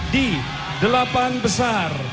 di delapan besar